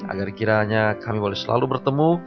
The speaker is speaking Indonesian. agar kiranya kami boleh selalu bertemu